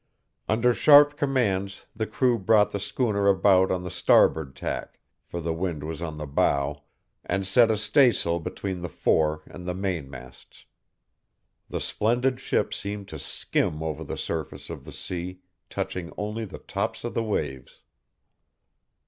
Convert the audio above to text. Under sharp commands the crew brought the schooner about on the starboard tack, for the wind was on the bow, and set a staysail between the fore and main masts. The splendid ship seemed to skim over the surface of the sea, touching only the tops of the waves.